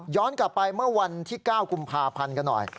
กลับไปเมื่อวันที่๙กุมภาพันธ์กันหน่อย